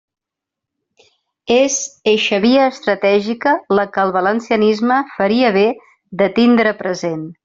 És eixa via estratègica la que el valencianisme faria bé de tindre present.